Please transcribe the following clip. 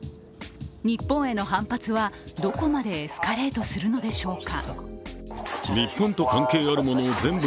日本への反発はどこまでエスカレートするのでしょうか。